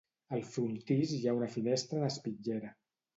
Al frontis hi ha una finestra en espitllera.